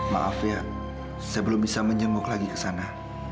maaf ya saya belum bisa menjenguk lagi ke sana